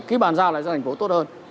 khi bàn giao lại ra thành phố tốt hơn